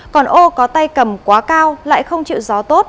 còn ô có tay cầm quá cao lại không chịu gió tốt